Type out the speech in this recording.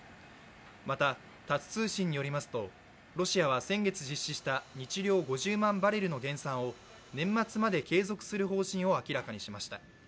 またタス通信によりますとロシアは先月実施した日量５０万バレルの減産を、年末まで継続する方針を明らかにしました。